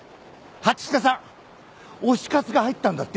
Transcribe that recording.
蜂須賀さん推し活が入ったんだって。